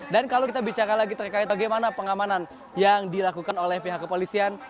dan kalau kita bicara lagi terkait bagaimana pengamanan yang dilakukan oleh pihak kepolisian